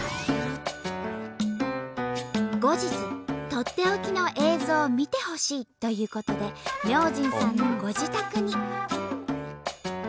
後日とっておきの映像を見てほしいということで明神さんのご自宅に。